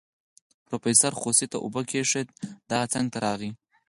پروفيسر خوسي ته اوبه کېښودې د هغه څنګ ته راغی.